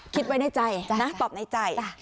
คิดไว้ในใจนะตอบในใจ